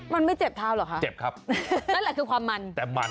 มันไม่เจ็บเท้าเหรอคะเจ็บครับนั่นแหละคือความมันแต่มัน